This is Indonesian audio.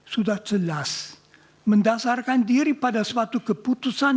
sudah jelas mendasarkan diri pada suatu keputusan